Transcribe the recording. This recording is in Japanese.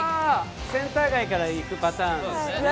センター街から行くパターンですね。